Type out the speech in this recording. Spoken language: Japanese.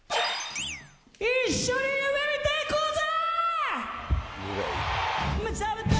一緒に夢見ていこうぜ！